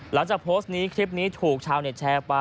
หลังจากโพสต์นี้คลิปนี้ถูกชาวเน็ตแชร์ไป